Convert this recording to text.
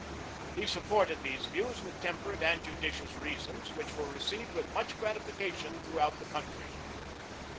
He supported these views with temperate and judicious reasons which were received with much gratification throughout the country.